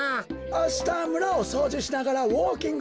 あしたむらをそうじしながらウォーキングするんだ。